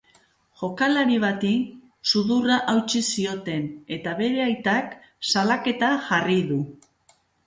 Jokalari bati sudurra hautsi zioten, eta bere aitak salaketa jarri du.